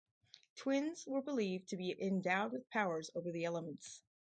Twins were believed to be endowed with powers over the elements.